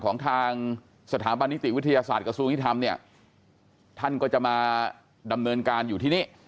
ของทางสถาบันนิติวิทยาศาสตร์กระทรวงยุทธรรมเนี่ยท่านก็จะมาดำเนินการอยู่ที่นี่